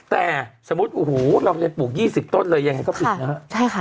แต่สมมุติโอ้โหเราจะปลูก๒๐ต้นเลยยังไงก็ติดนะ